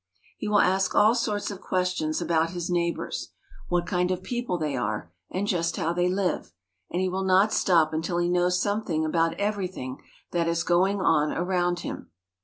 He will ask all sorts of questions about his neighbors — what kind of people they are, and just how they live"; and he will not stop until he knows something about everything that is going on around him.